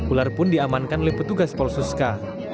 ular pun diamankan oleh petugas polsuska